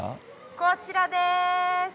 こちらです。